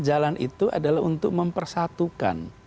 jalan itu adalah untuk mempersatukan